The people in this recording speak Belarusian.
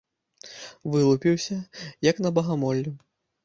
Вылупіўся, як на багамолле!